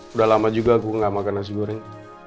udah lama juga aku nggak makan nasi goreng